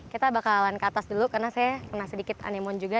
kita bakalan ke atas dulu karena saya kena sedikit anemon juga